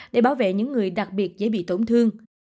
để bảo vệ những người đặc biệt dễ bị tổn thương